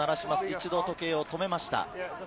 一度、時計を止めました。